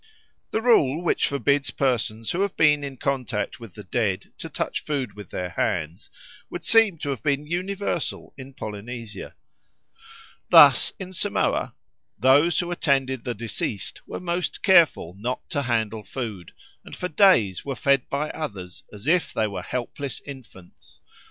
The rule which forbids persons who have been in contact with the dead to touch food with their hands would seem to have been universal in Polynesia. Thus in Samoa "those who attended the deceased were most careful not to handle food, and for days were fed by others as if they were helpless infants.